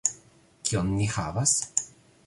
Kion ni havas?